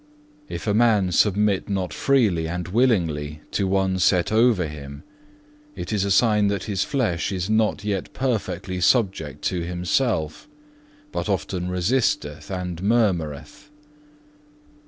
If a man submit not freely and willingly to one set over him, it is a sign that his flesh is not yet perfectly subject to himself, but often resisteth and murmureth.